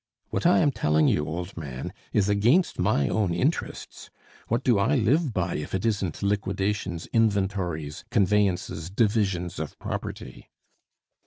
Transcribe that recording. What I am telling you, old man, is against my own interests. What do I live by, if it isn't liquidations, inventories, conveyances, divisions of property?